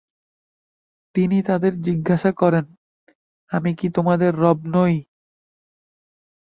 তিনি তাদের জিজ্ঞাসা করেন, আমি কি তোমাদের রব নই?